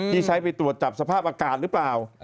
ที่ใช้ไปตรวจจับสภาพอากาศหรือเปล่า